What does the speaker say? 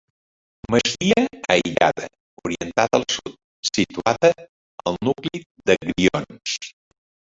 Masia aïllada, orientada al sud, situada al nucli de Grions.